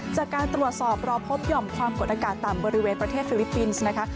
จากการตรวจสอบเราพบหย่อมความกดอากาศต่ำบริเวณประเทศฟิลิปปินส์นะคะ